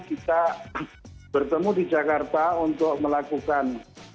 kita bertemu di jakarta untuk melakukan